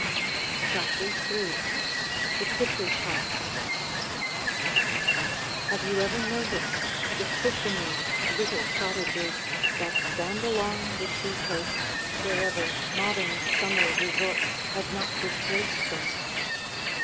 CHAPTER III THE KITTREDGE HOUSE Have you ever noticed the fishermen's little cottages that stand along the seacoast wherever modern summer resorts have not displaced them?